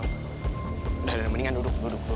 udah udah mendingan duduk duduk